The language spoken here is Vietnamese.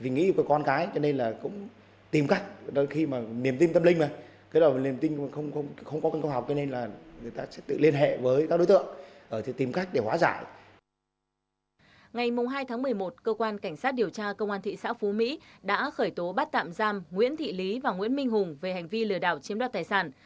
ngày hai tháng một mươi một cơ quan cảnh sát điều tra công an thị xã phú mỹ đã khởi tố bắt tạm giam nguyễn thị lý và nguyễn minh hùng về hành vi lừa đảo chiếm đoạt tài sản